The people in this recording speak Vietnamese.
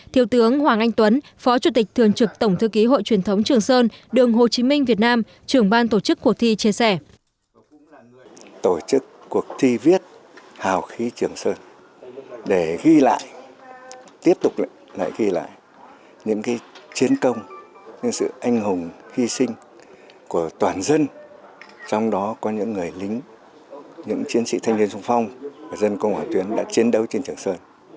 thiếu tướng hoàng anh tuấn phó chủ tịch thường trực tổng thư ký hội truyền thống trường sơn đường hồ chí minh việt nam trưởng ban tổ chức cuộc thi chia sẻ